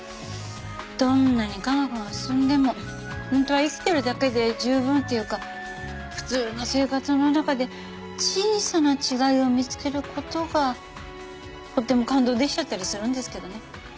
どんなに科学が進んでも本当は生きてるだけで十分っていうか普通の生活の中で小さな違いを見つける事がとっても感動できちゃったりするんですけどね。